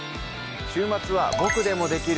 週末は「ボクでもできる！